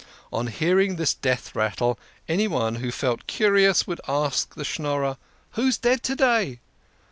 On hearing this death rattle, anyone who felt curious would ask the Schnorrer :" Who's dead to day?